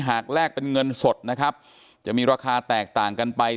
แลกเป็นเงินสดนะครับจะมีราคาแตกต่างกันไป